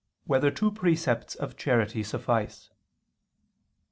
3] Whether Two Precepts of Charity Suffice?